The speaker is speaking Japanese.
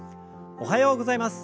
おはようございます。